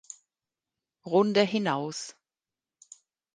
Runde hinaus.